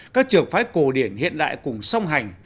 các trường phái cổ điển hiện đại cùng song hành